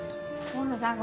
河野さん